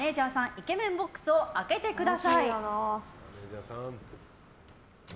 イケメンボックスを開けてください。